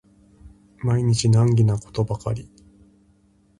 毎日難儀なことばかり